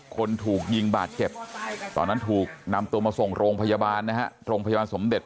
คนถูกยิงบาดเจ็บตอนนั้นถูกนำตัวมาส่งโรงพยาบาลนะฮะโรงพยาบาลสมเด็จ